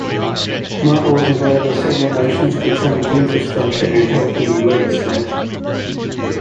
Michael was involved in several motions pertaining to infrastructure and health in the legislature.